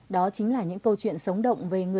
đó chính là những câu chuyện sống động